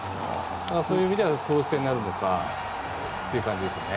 そういう意味では投手戦になるのかっていう感じですね。